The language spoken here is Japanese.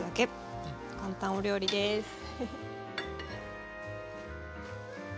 簡単お料理ですウフフ。